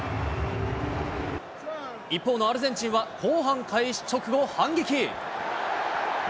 一方のアルゼンチンは、後半開始直後、反撃。